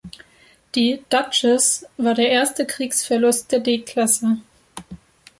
Die "Duchess" war der erste Kriegsverlust der D-Klasse.